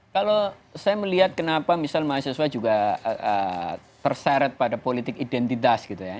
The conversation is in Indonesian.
kalau saya melihat kenapa misal mahasiswa juga terseret pada politik identitas gitu ya